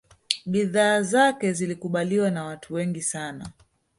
bidhaa zake zilikubaliwa na watu wengi sana